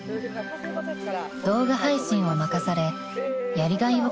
［動画配信を任されやりがいを感じています］